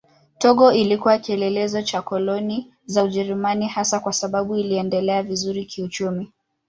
Togo ilikuwa kielelezo cha koloni za Ujerumani hasa kwa sababu iliendelea vizuri kiuchumi.